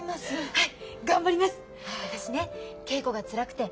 はい。